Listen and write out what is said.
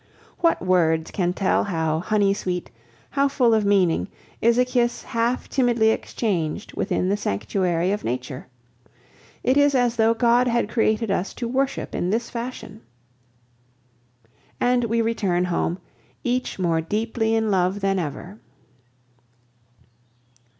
What words can tell how honey sweet, how full of meaning, is a kiss half timidly exchanged within the sanctuary of nature it is as though God had created us to worship in this fashion. And we return home, each more deeply in love than ever.